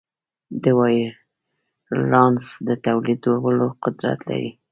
د وایرولانس د تولیدولو قدرت لري.